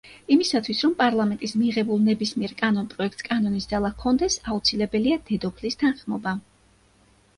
იმისათვის, რომ პარლამენტის მიღებულ ნებისმიერ კანონპროექტს კანონის ძალა ჰქონდეს, აუცილებელია დედოფლის თანხმობა.